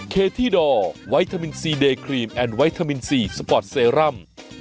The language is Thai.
คิดอวไทมินซีเดยร์ครีมแอนด์ไวทามินซีสปอร์ตเซรั่ม